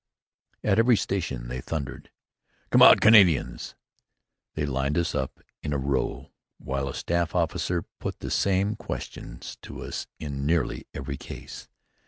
At every station they thundered: "Come out, Canadians!" They lined us up in a row while a staff officer put the same questions to us in nearly every case.